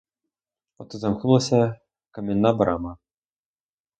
От і замкнулася камінна брама!